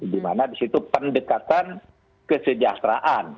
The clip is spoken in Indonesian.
dimana disitu pendekatan kesejahteraan